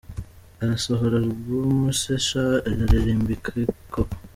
Arasohora arbum se sha aririmbiki koko!!.